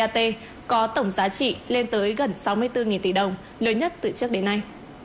vat có tổng giá trị lên tới gần sáu mươi bốn tỷ đồng lớn nhất từ trước đến nay